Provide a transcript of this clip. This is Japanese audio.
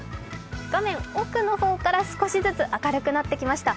画面奥の方から少しずつ明るくなってきました。